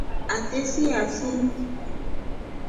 Ate siasii.